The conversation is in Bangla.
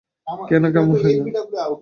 কেন এমন হইল!